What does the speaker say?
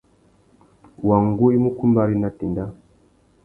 Wăngú i mú kumbari nà téndá.